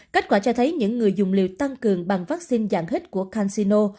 kết quả cho thấy những người dùng liều tăng cường bằng vaccine dạng hít của cansino